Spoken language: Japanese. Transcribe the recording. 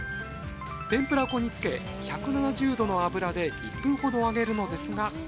てんぷら粉につけ１７０℃の油で１分ほど揚げるのですが